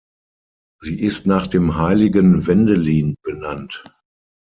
Sie ist nach dem Heiligen Wendelin benannt.